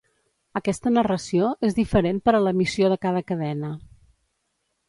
Aquesta narració és diferent per a l’emissió de cada cadena.